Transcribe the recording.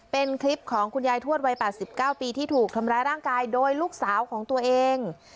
เป็นคลิปของคุณยายทวดวัย๘๙ปีที่ถูกทำร้ายร่างกายโดยลูกสาวของตัวเอง